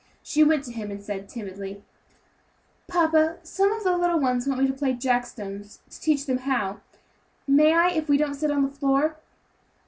She went to him then, and said timidly, "Papa, some of the little ones want me to play jack stones, to teach them how; may I, if we don't sit on the floor?"